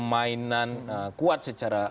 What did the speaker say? mainan kuat secara